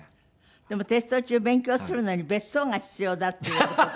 でもテスト中勉強するのに別荘が必要だっていう事で。